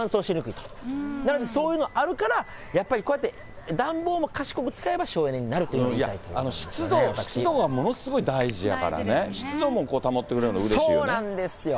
なので、そういうのがある程度、やっぱりこうやって、暖房も賢く使えば省いや、湿度、湿度がものすごい大事やから、湿度も保ってくれるのうれしいよね。